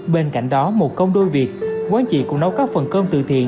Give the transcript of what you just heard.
bên cạnh đó một công đôi việc quán chị cũng nấu các phần cơm tự thiện